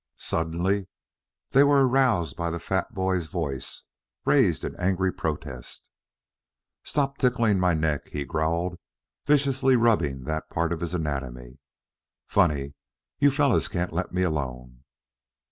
Suddenly they were aroused by the fat boy's voice raised in angry protest. "Stop tickling my neck," he growled, vigorously rubbing that part of his anatomy. "Funny, you fellows can't let me alone."